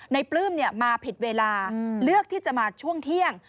ปลื้มมาผิดเวลาเลือกที่จะมาช่วงเที่ยง